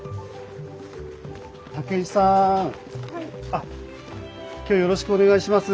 あっ今日よろしくお願いします。